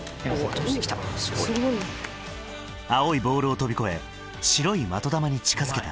青いボールを飛び越え白い的球に近づけた。